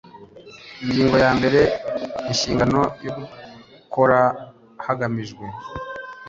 ingingo ya mbere inshingano yo gukora hagamijwe